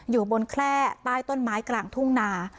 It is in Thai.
อยู่บนแคล่ใต้ต้นไม้กลางทุ่งนา